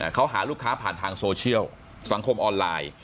เขาหาลูกค้าผ่านทางโซเชียลสังคมออนไลน์